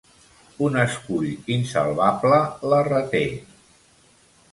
Un escull insalvable la reté.